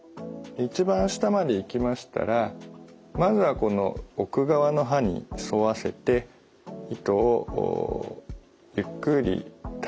一番下までいきましたらまずはこの奥側の歯に沿わせて糸をゆっくりた